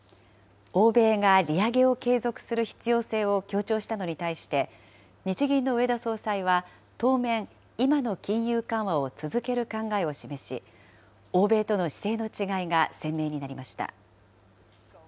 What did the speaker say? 欧米が利上げを継続する必要性を強調したのに対して、日銀の植田総裁は当面、今の金融緩和を続ける考えを示し、欧米との姿勢の違いが鮮明になりました。